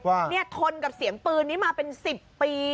ว่าเนี่ยทนกับเสียงปืนนี้มาเป็น๑๐ปี